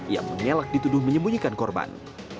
ia mengelak dituduh menyembunyikan korban